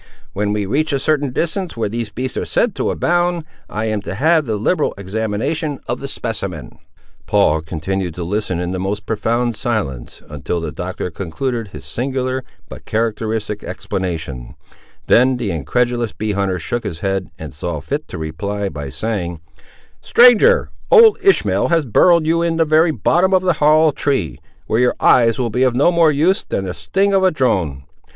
When we reach a certain distance where these beasts are said to abound, I am to have the liberal examination of the specimen." Paul continued to listen, in the most profound silence, until the Doctor concluded his singular but characteristic explanation; then the incredulous bee hunter shook his head, and saw fit to reply, by saying— "Stranger, old Ishmael has burrowed you in the very bottom of a hollow tree, where your eyes will be of no more use than the sting of a drone.